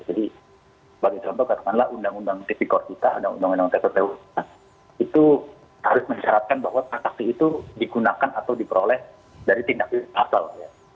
jadi bagi contoh katakanlah undang undang tppu itu harus mencaratkan bahwa transaksi itu digunakan atau diperoleh dari tindak asal ya